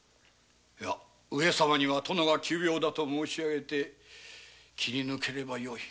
上様には「殿が急病だ」と申し上げて切り抜ければよい。